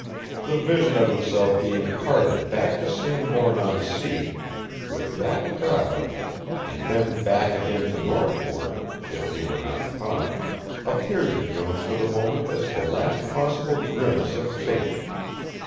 The vision of himself being carted back to Sandbourne on Sea with that crowd and then back again to Northbourne if he were not caught appeared to Jones for the moment as the last possible grimace of Fate.